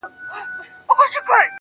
• ستادی ،ستادی، ستادی فريادي گلي.